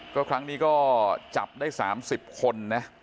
ก็ครั้งนี้ก็จับได้๓๐คนนะ